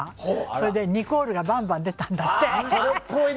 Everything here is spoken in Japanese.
それでニコールはバンバン出たんだって。